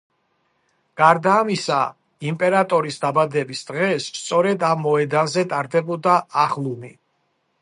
გარდა ამისა იმპერატორის დაბადების დღეს სწორედ ამ მოედანზე ტარდებოდა აღლუმი.